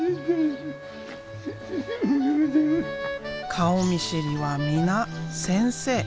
顔見知りは皆先生。